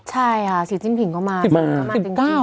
ใช่ค่ะสีจิ้มผิงก็มา